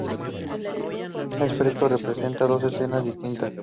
El fresco representa dos escenas distintas.